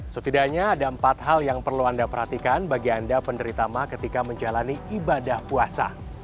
setidaknya ada empat hal yang perlu anda perhatikan bagi anda penderita mah ketika menjalani ibadah puasa